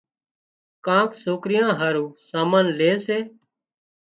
ڪانڪ سوڪريان هارو سامان لي سي